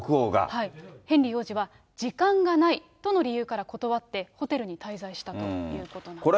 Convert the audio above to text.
ヘンリー王子は、時間がないとの理由から断って、ホテルに滞在したということなんですね。